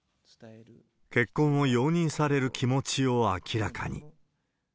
結婚を容認される気持ちを明らかに。